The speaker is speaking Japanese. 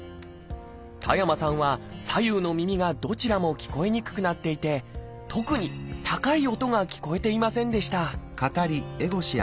田山さんは左右の耳がどちらも聞こえにくくなっていて特に高い音が聞こえていませんでした